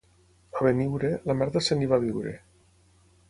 A Beniure, la merda se n'hi va a viure.